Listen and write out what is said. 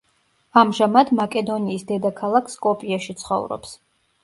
ამჟამად მაკედონიის დედაქალაქ სკოპიეში ცხოვრობს.